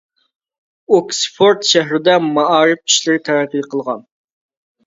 ئوكسفورد شەھىرىدە مائارىپ ئىشلىرى تەرەققىي قىلغان.